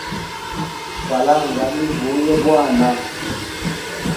Falanga ni nvuya bwana.